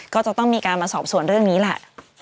ก็จะต้องมีการมาสอบส่วนเรื่องนี้แหละ